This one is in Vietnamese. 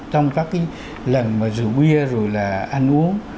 trong các cái lần mà rượu bia rồi là ăn uống